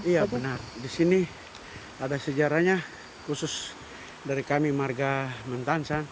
iya benar di sini ada sejarahnya khusus dari kami marga mentansa